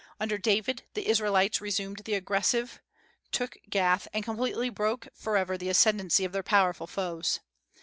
Under David the Israelites resumed the aggressive, took Gath, and completely broke forever the ascendency of their powerful foes.